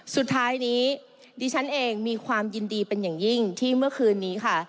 สุดท้ายนี้ดิฉันเองมีความยินดีเป็นอย่างยิ่งที่เมื่อคืนนี้ค่ะ